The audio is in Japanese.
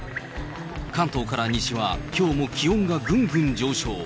関東から西はきょうも気温がぐんぐん上昇。